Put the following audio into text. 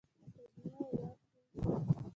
کابینه او واک نیم شو.